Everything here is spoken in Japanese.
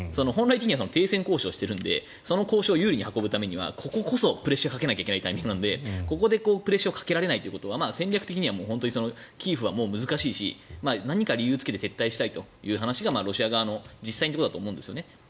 本来的には停戦交渉をしているのでその交渉を有利に働くためにはこここそプレッシャーをかけないといけないタイミングなのでここでプレッシャーをかけられないということは本当にキエフは難しいし何か理由をつけて撤退したいという話がロシア側の実際だと思うんです